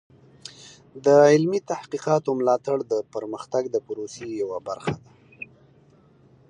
د علمي تحقیقاتو ملاتړ د پرمختګ د پروسې یوه برخه ده.